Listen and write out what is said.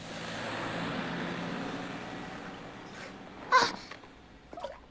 あっ！